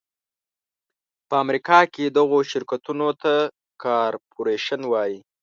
په امریکا کې دغو شرکتونو ته کارپورېشن وایي.